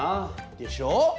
でしょ？